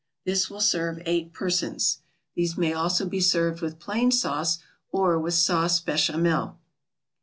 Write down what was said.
This will serve eight persons. These may also be served with plain sauce, or with Sauce Bechamel.